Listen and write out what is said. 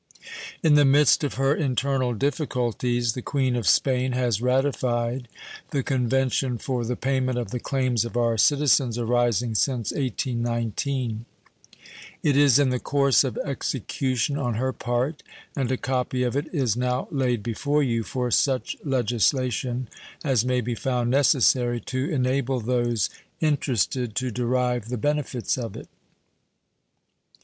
In the midst of her internal difficulties the Queen of Spain has ratified the convention for the payment of the claims of our citizens arising since 1819. It is in the course of execution on her part, and a copy of it is now laid before you for such legislation as may be found necessary to enable those interested to derive the benefits of it.